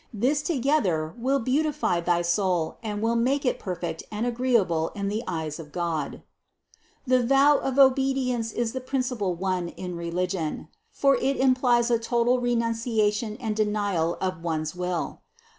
This together will beautify thy soul and will make it perfect and agreeable in the eyes of God. 450. The vow of obedience is the principal one in reli gion; for it implies a total renunciation and denial of one's will.